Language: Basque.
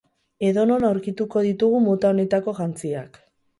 Edonon aurkituko ditugu mota honetako jantziak.